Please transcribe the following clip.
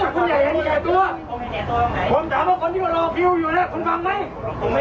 คุณอย่าหรือดูตัวคนไงก็ผู้นี้ก็รอคิวอยู่แล้วคุณฟังไหม